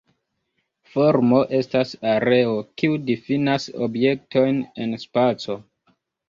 Formo estas areo, kiu difinas objektojn en spaco.